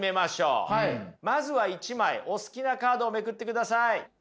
まずは１枚お好きなカードをめくってください。